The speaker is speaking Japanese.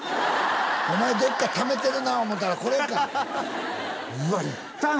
お前どっかためてるな思うたらこれかうわ行ったの！？